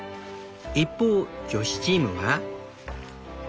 一方女子チームは。